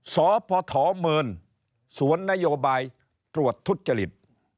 สพเมินสวนนโยบายตรวจทุจริต